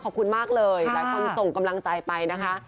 ขอบคุณมากเลยหลายคนส่งกำลังใจไปนะคะ